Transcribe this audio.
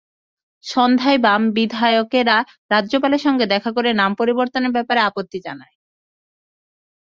সন্ধ্যায় বাম বিধায়কেরা রাজ্যপালের সঙ্গে দেখা করে নাম পরিবর্তনের ব্যাপারে আপত্তি জানায়।